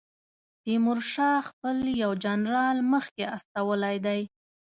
تیمورشاه خپل یو جنرال مخکې استولی دی.